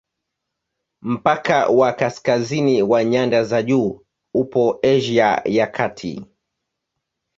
Mpaka wa kaskazini wa nyanda za juu upo Asia ya Kati.